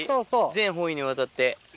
全方位にわたって。